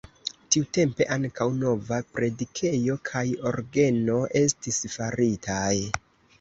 Tiutempe ankaŭ nova predikejo kaj orgeno estis faritaj.